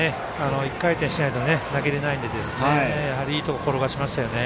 １回転しないと投げれないんでやはり、いいところ転がしましたよね。